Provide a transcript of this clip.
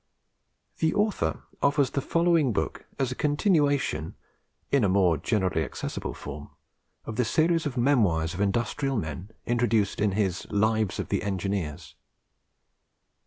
The Author offers the following book as a continuation, in a more generally accessible form, of the Series of Memoirs of Industrial Men introduced in his Lives of the Engineers.